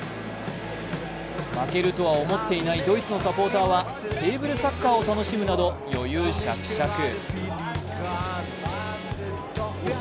負けるとは思っていないドイツのサポーターは、テーブルサッカーを楽しむなど余裕しゃくしゃく。